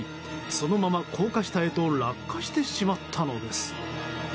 そのまま高架下へと落下してしまったのです。